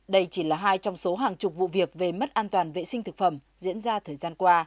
đây chỉ là hai trong số hàng chục vụ việc về mất an toàn vệ sinh thực phẩm diễn ra thời gian qua